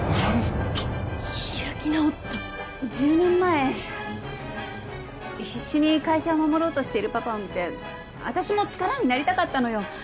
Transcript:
１０年前必死に会社を守ろうとしているパパを見て私も力になりたかったのよ。